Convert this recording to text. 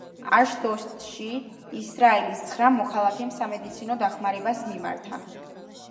აშდოდში ისრაელის ცხრა მოქალაქემ სამედიცინო დახმარებას მიმართა.